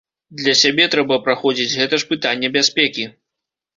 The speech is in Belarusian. Для сябе трэба праходзіць, гэта ж пытанне бяспекі.